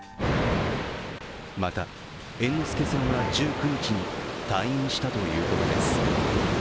また、猿之助さんは１９日に退院したということです。